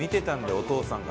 お父さんが。